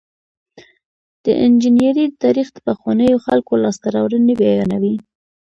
د انجنیری تاریخ د پخوانیو خلکو لاسته راوړنې بیانوي.